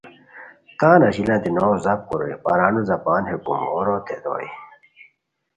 تان اژیلیانتے نوغ زاپ کوروئے، پرانو زاپان ہے کوموروتین دوئے